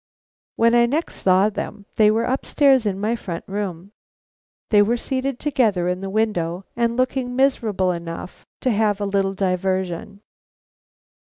When I next saw them, they were upstairs in my front room. They were seated together in the window and looked miserable enough to have a little diversion.